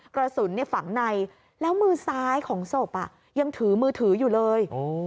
กระสุนฝังในแล้วมือซ้ายของศพยังถือมือถืออยู่เลย